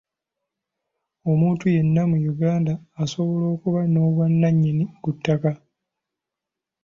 Omuntu yenna mu Uganda asobola okuba n'obwannannyini ku ttaka.